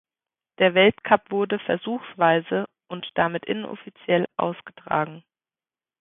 Der Weltcup wurde versuchsweise und damit inoffiziell ausgetragen.